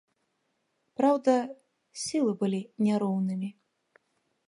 Праўда, сілы былі не роўнымі.